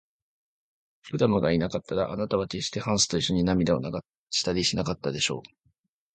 クラムがいなかったら、あなたはけっしてハンスといっしょに涙を流したりしなかったでしょう。